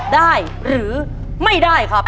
ได้หรือไม่ได้ครับ